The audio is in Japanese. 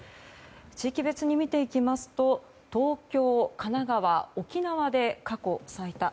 地域別で見ていきますと東京、神奈川、沖縄で過去最多。